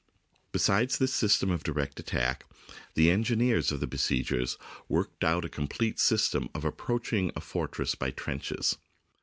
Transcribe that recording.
Besides this system of direct attack, the engi neers of besiegers worked out a complete system of approaching a fortress by trenches.